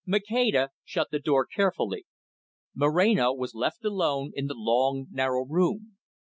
Maceda shut the door carefully. Moreno was left alone, in the long, narrow room.